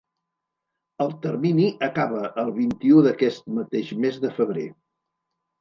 El termini acaba el vint-i-u d’aquest mateix mes de febrer.